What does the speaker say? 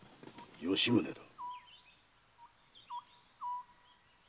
吉宗だ。